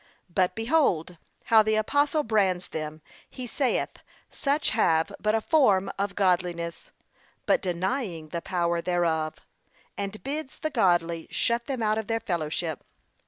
But behold how the apostle brands them; he saith, such have but 'a form of godliness, but denying the power thereof,' and bids the godly shut them out of their fellowship.